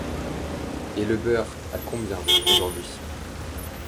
Et le beurre, à combien, aujourd’hui?